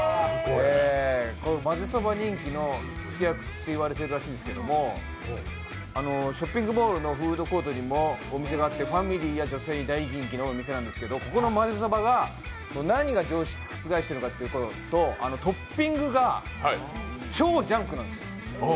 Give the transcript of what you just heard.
まぜそば人気の火付け役と言われてるらしいんですけどもショッピングモールのフードコートにもお店があってファミリーや女性に大人気のお店なんですけどここのまぜそばが何が常識を覆しているかというとトッピングが超ジャンクなんですよ。